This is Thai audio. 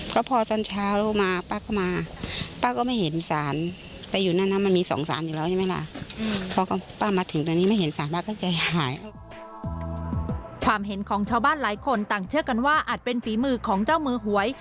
ความเห็นของชาวบ้านหลายคนต่างเชื่อกันว่าอาจเป็นฝีมือของเจ้ามือหวย